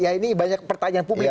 ya ini banyak pertanyaan publik